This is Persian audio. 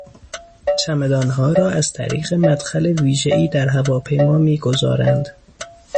چمدانها را از طریق مدخل ویژهای در هواپیما میگذارند.